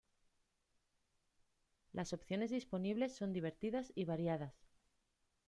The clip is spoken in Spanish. Las opciones disponibles son divertidas y variadas".